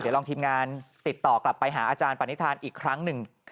เดี๋ยวลองทีมงานติดต่อกลับไปหาอาจารย์ปณิธานอีกครั้งหนึ่ง